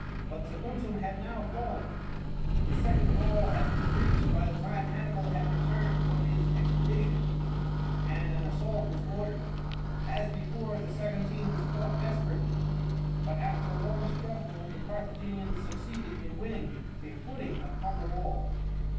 But Saguntum had now fallen. The second wall had been breached by the time Hannibal had returned from his expedition, and an assault was ordered. As before, the Saguntines fought desperately, but after a long struggle the Carthaginians succeeded in winning a footing upon the wall.